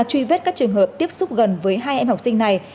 truy vết các trường hợp tiếp xúc gần với hai em học sinh này